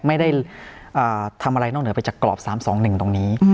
ไม่ได้ทำอะไรนอกเหนือไปจากกรอบ๓๒๑ตรงนี้